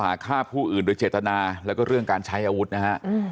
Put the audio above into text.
ฆ่าผู้อื่นโดยเจตนาแล้วก็เรื่องการใช้อาวุธนะฮะ